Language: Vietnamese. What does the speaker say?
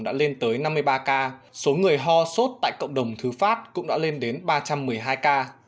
đã lên tới năm mươi ba ca số người ho sốt tại cộng đồng thứ phát cũng đã lên đến ba trăm một mươi hai ca